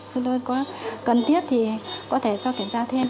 chúng tôi có cần thiết thì có thể cho kiểm tra thêm